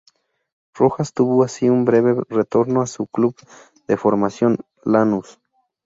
Rojas tuvo así un breve retorno a su club de formación, Lanús.